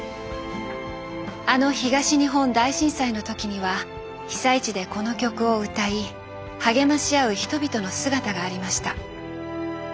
あの東日本大震災の時には被災地でこの曲を歌い励まし合う人々の姿がありました。